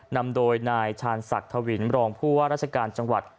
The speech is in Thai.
นำโดยนายชาญศักดิ์ธวินรองผู้ว่าราชการจังหวัด